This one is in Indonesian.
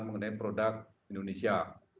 mengenai produk indonesia